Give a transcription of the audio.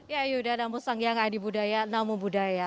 ya yudha namusangyang adibudaya namubudaya